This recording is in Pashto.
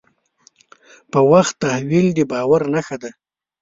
په وخت تحویل د باور نښه ده.